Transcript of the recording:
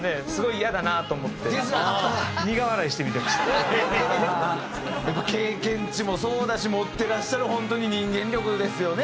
やっぱ経験値もそうだし持ってらっしゃる本当に人間力ですよね